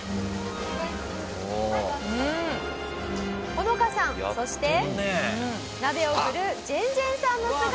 ホノカさんそして鍋を振るジェンジェンさんの姿が。